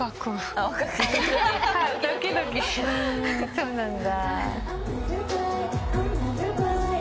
そうなんだ。